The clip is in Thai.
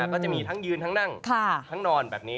ก็จะมีทั้งยืนทั้งนั่งทั้งนอนแบบนี้